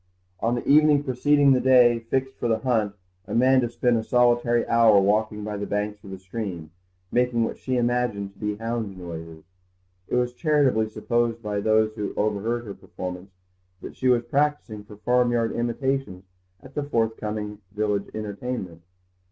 On the evening preceding the day fixed for the hunt Amanda spent a solitary hour walking by the banks of the stream, making what she imagined to be hound noises. It was charitably supposed by those who overheard her performance, that she was practising for farmyard imitations at the forth coming village entertainment.